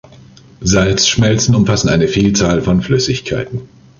Salzschmelzen umfassen eine Vielzahl von Flüssigkeiten.